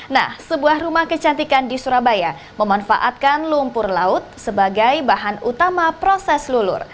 nah sebuah rumah kecantikan di surabaya memanfaatkan lumpur laut sebagai bahan utama proses lulur